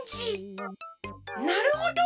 なるほど！